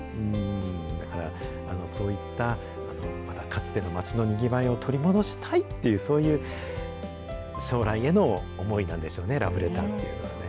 だから、そういったまたかつての町のにぎわいを取り戻したいっていう、そういう将来への思いなんでしょうね、ラブレターっていうのはね。